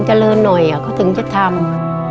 เจริญหน่อยเขาถึงจะทำ